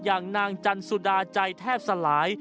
อย่างนางจันสุดาใจแทบสลาย